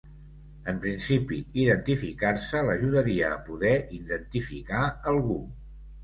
En principi identificar-se l'ajudaria a poder identificar algú.